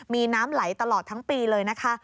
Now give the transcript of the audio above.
มีน้ำไหลตลอดทั้งปีเลยนะคะ